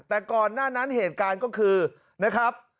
แต่ก่อนหน้านั้นเหตุการณ์ก็คือนะครับ